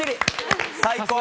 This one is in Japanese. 最高！